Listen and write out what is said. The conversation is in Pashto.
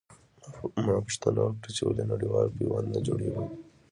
ما پوښتنه وکړه چې ولې نړېوال پیوند نه جوړوي.